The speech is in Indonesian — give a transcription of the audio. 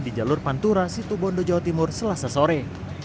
di jalur pantura situ bondo jawa timur selasa sore